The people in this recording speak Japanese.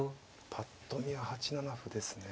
ぱっと見は８七歩ですね。